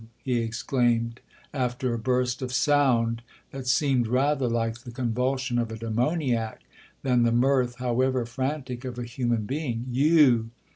he exclaimed, after a burst of sound that seemed rather like the convulsion of a demoniac, than the mirth, however frantic, of a human being—'you!